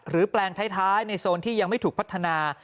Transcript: แปลงท้ายในโซนที่ยังไม่ถูกพัฒนา